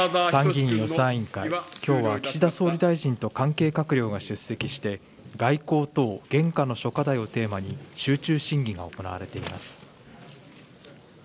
参議院予算委員会、きょうは岸田総理大臣と関係閣僚が出席して、外交等現下の諸課題をテーマに集中審議が行われています。